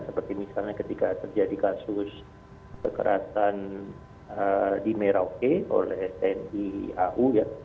seperti misalnya ketika terjadi kasus kekerasan di merauke oleh tni au ya